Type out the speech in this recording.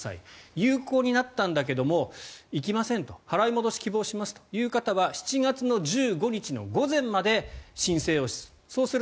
有効になったんだけども行きませんと払い戻しを希望しますという方は７月１５日の午前までに申請をする。